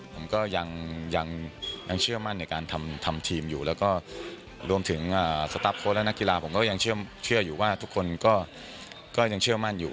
ผมก็ยังเชื่อมั่นในการทำทีมอยู่แล้วก็รวมถึงสตาร์ฟโค้ดและนักกีฬาผมก็ยังเชื่ออยู่ว่าทุกคนก็ยังเชื่อมั่นอยู่